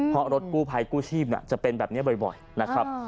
เพราะรถกู้ภัยกู้ชีพจะเป็นแบบนี้บ่อยนะครับ